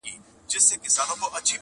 • په چل ول کي بې جوړې لکه شیطان وو -